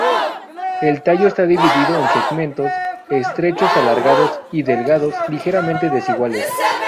El tallo está dividido en segmentos estrechos alargados y delgados, ligeramente desiguales.